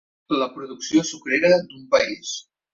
La producció sucrera d'un país.